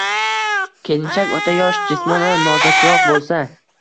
Kelinchak o‘ta yosh, jismonan nozikroq bo‘lsa